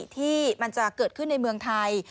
ที่มันจะเกิดขึ้นในเมืองไทย